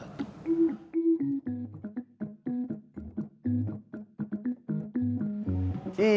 waalaikumsalam warahmatullahi wabarakatuh